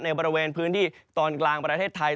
บริเวณพื้นที่ตอนกลางประเทศไทย